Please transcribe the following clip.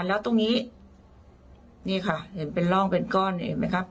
แล้วตรงนี้นี่ค่ะเห็นเป็นร่องเป็นก้อนเห็นไหมครับ